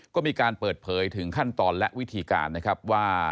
ก็มีการเปิดเผยถึงขั้นตอนและวิธีการนะครับว่า